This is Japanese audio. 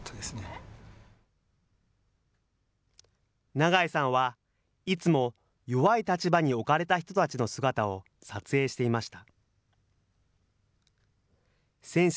長井さんは、いつも弱い立場に置かれた人たちの姿を撮影していました。